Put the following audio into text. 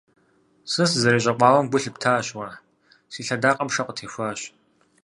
Сэ сызэрещӀэкъуауэм гу лъыптащ уэ: си лъэдакъэм шэ къытехуащ.